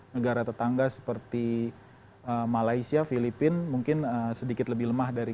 negara tetangga seperti malaysia filipina mungkin sedikit lebih lemah